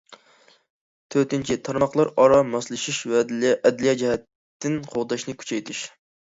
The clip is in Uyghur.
تۆتىنچى، تارماقلار ئارا ماسلىشىش ۋە ئەدلىيە جەھەتتىن قوغداشنى كۈچەيتىش.